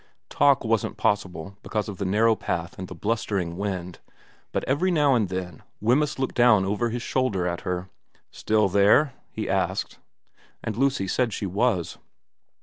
Talk wasn't possible because of the narrow path and the blustering wind, but every now and then Wemyss looked down over his shoulder at her. * Still there ?' he asked ; and Lucy said she was.